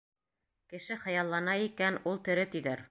— Кеше хыяллана икән — ул тере, тиҙәр.